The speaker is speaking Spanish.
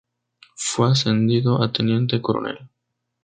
Fue ascendido a teniente coronel.